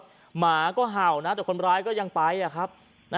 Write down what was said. หมาก็เห่านะแต่คนร้ายก็ยังไปอะครับ